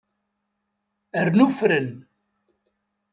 Rnu fren.